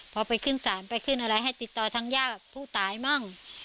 พอไปขึ้นศาลไปขึ้นอะไรให้ติดต่อทางญาติผู้ตายมั่ง